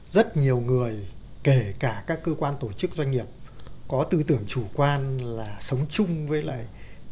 rất nhiều người kể cả các cơ quan tổ chức doanh nghiệp có tư tưởng chủ quan là sống chung với lại